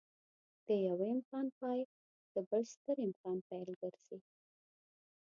د يوه امکان پای د بل ستر امکان پيل ګرځي.